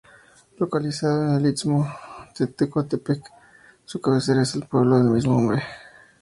Localizado en el istmo de Tehuantepec, su cabecera es el pueblo del mismo nombre.